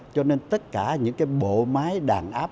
cho nên tất cả những cái bộ máy đàn áp